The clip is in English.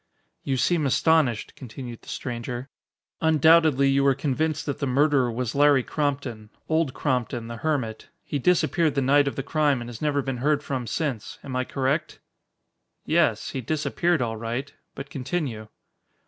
"You seem astonished," continued the stranger. "Undoubtedly you were convinced that the murderer was Larry Crompton Old Crompton, the hermit. He disappeared the night of the crime and has never been heard from since. Am I correct?" "Yes. He disappeared all right. But continue."